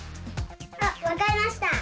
あわかりました！